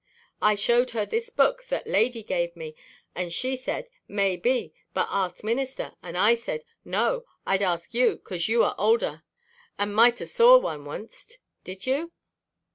I showed her this book that Lady gaved me and she said, 'Maybe, but ask Minister.' I said, no, I'd ask you 'cause you are older and mighter saw one onct. Did you?"